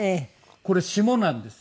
これ霜なんです。